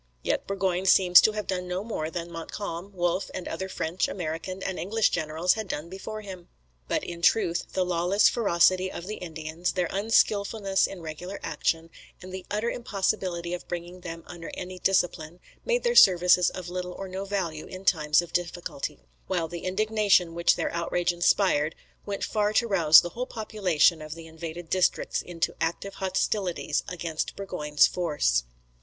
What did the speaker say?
Yet Burgoyne seems to have done no more than Montcalm, Wolfe, and other French, American, and English generals had done before him. But, in truth, the lawless ferocity of the Indians, their unskilfulness in regular action, and the utter impossibility of bringing them under any discipline, made their services of little or no value in times of difficulty: while the indignation which their outrages inspired, went far to rouse the whole population of the invaded districts into active hostilities against Burgoyne's force.